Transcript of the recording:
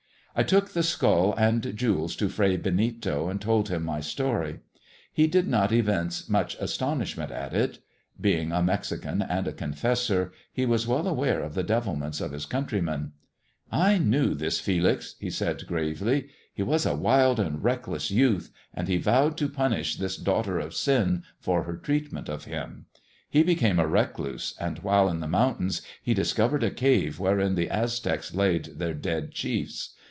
I took the skull and jewels to Fray Benito, and told him my story. He did not evince much astonishment at it. Being a Mexican and a confessor, he was well aware of the devilments of his countrymen. I knew this Felix," he said gravely :" he was a wild and reckless youth, and he vowed to punish this daughter of sin for her treatment of him. He became a recluse, and while in the mountains he discovered a cave wherein the Aztecs laid their dead chiefs.